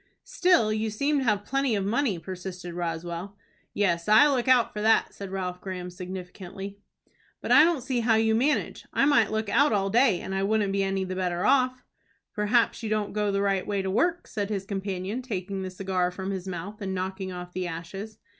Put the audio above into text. "Still you seem to have plenty of money," persisted Roswell. "Yes, I look out for that," said Ralph Graham, significantly. "But I don't see how you manage. I might look out all day, and I wouldn't be any the better off." "Perhaps you don't go the right way to work," said his companion, taking the cigar from his mouth, and knocking off the ashes.